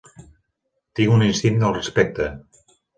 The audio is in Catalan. Tinc un instint al respecte.